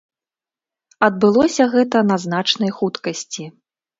Адбылося гэта на значнай хуткасці.